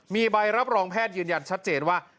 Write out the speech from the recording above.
มีใบรับรองแพทย์ยืนยันชัดเจนว่า